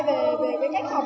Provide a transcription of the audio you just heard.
về cách học